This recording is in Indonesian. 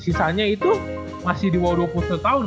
sisanya itu masih di bawah dua puluh satu tahun